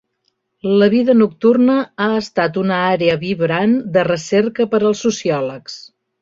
La vida nocturna ha estat una àrea vibrant de recerca per als sociòlegs.